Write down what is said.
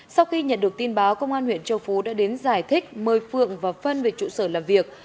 sau khi nhận được tin báo công an huyện châu phú đã đến giải thích mời phượng và phân về trụ sở làm việc